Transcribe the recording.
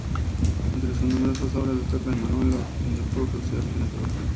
Entre sus numerosas obras destaca el manual "Los indoeuropeos y los orígenes de Europa.